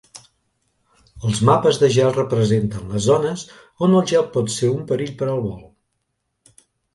Els mapes de gel representen les zones on el gel pot ser un perill per al vol.